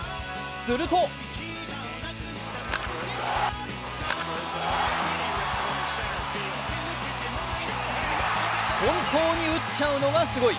すると本当に打っちゃうのがすごい。